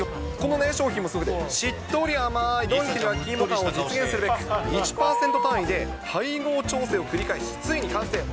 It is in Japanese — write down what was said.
この商品もすごくて、しっとり甘いドンキの焼き芋感を実現するべく、１％単位で配合調整を繰り返し、ついに完成。